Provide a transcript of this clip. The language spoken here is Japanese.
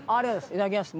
いただきます。